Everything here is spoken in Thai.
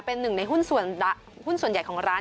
เป็นหนึ่งในหุ้นส่วนใหญ่ของร้าน